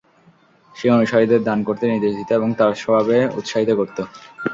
সে অনুসারীদের দান করতে নির্দেশ দিত এবং তার সওয়াবে উৎসাহিত করত।